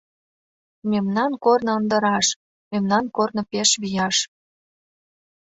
Мемнан корно ынде раш. Мемнан корно пеш вияш!